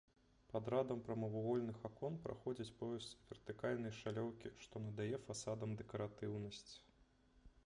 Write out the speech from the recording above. Пад радам прамавугольных акон праходзіць пояс вертыкальнай шалёўкі, што надае фасадам дэкаратыўнасць.